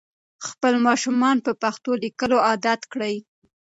خپل ماشومان په پښتو لیکلو عادت کړئ.